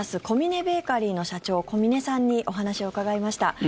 コミネベーカリーの社長小嶺さんにお話を伺いました。